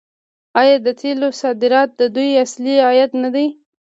آیا د تیلو صادرات د دوی اصلي عاید نه دی؟